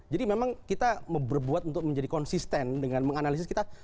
jadi memang kita berbuat untuk menjadi konsisten dengan menganalisis kita